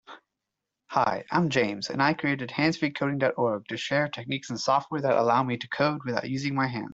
Hi, I'm James, and I created handsfreecoding.org to share techniques and software that allow me to code without using my hands.